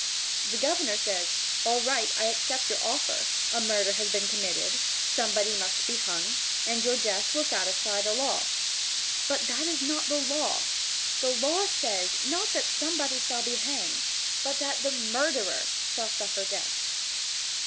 The governor says: "All right, I accept your offer, a murder has been committed, somebody must be hung and your death will satisfy the law." But that is not the law. The law says, not that somebody shall be hanged, but that the murderer shall suffer death.